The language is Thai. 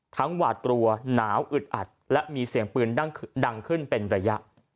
หวาดกลัวหนาวอึดอัดและมีเสียงปืนดังขึ้นเป็นระยะ